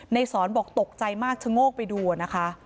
สอนบอกตกใจมากชะโงกไปดูนะคะ